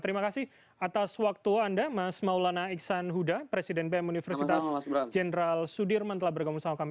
terima kasih atas waktu anda mas maulana iksan huda presiden bem universitas jenderal sudirman telah bergabung sama kami